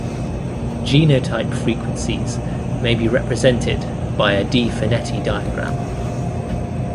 Genotype frequencies may be represented by a De Finetti diagram.